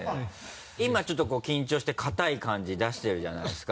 今ちょっと緊張して堅い感じ出してるじゃないですか。